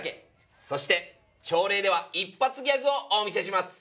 そして朝礼では一発ギャグをお見せします！